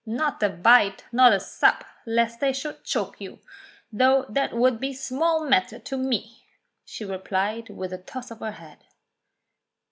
"Not a bite, not a sup, lest they should choke you : though that would be small matter to me," she replied with a toss of her head.